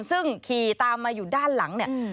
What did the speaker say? ซึ่งขี่ตามมาอยู่ด้านหลัง